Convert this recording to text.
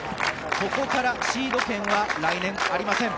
ここからシード権は来年、ありません。